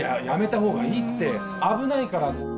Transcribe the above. やめた方がいいって危ないから。